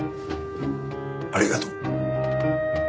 ありがとう。